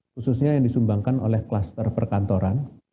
khususnya yang disumbangkan oleh kluster perkantoran